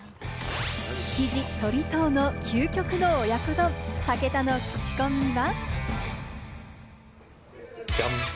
「築地鳥藤」の究極の親子丼、武田の口コミは。